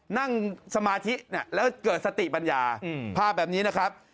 นั่งสมาธิแล้วเกิดสติปัญญาภาพแบบนี้นะครับ